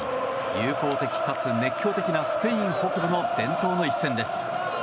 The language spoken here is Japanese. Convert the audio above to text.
友好的かつ熱狂的なスペイン北部の伝統の一戦です。